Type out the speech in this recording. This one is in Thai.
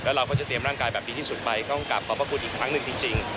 เราก็จะเตรียมร่างกายแบบดีที่สุดไปต้องกลับขอบพระคุณอีกครั้งหนึ่งจริง